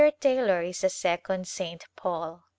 Taylor is a second St. Paul.